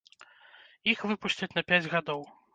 Іх выпусцяць на пяць гадоў.